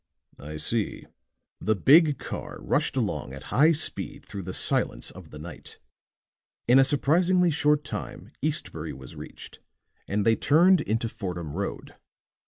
"I see." The big car rushed along at high speed through the silence of the night; in a surprisingly short time Eastbury was reached and they turned into Fordham Road.